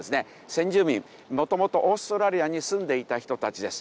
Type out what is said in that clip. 先住民元々オーストラリアに住んでいた人たちです。